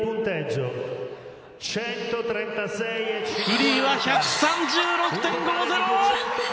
フリーは１３６．５０！